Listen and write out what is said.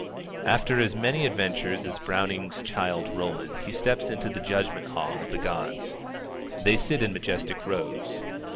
After as many adventures as Browning's Childe Roland he steps into the judgment hall of the gods. They sit in majestic rows.